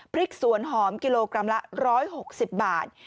พริกสวนหอมกิโลกรัมละ๑๖๐บาท